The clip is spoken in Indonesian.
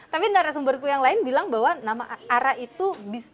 tapi dari sumberku yang lain bilang bahwa nama arak itu